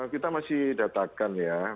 kita masih datakan ya